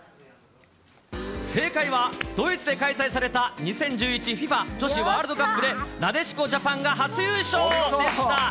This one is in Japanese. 正解は、ドイツで開催された２０１１ＦＩＦＡ女子ワールドカップで、なでしこジャパンが初優勝でした。